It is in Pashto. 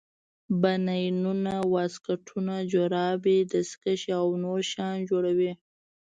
بنینونه واسکټونه جورابې دستکشې او نور شیان جوړوي.